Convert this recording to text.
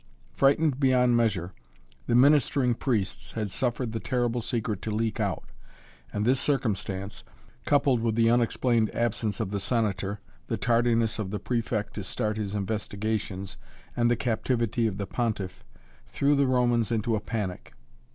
Frightened beyond measure, the ministering priests had suffered the terrible secret to leak out, and this circumstance, coupled with the unexplained absence of the Senator, the tardiness of the Prefect to start his investigations, and the captivity of the Pontiff, threw the Romans into a panic.